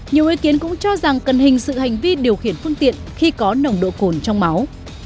nhiều ý kiến cũng cho rằng cần hình sự hành vi điều khiển phương tiện khi có nồng độ cồn trong máu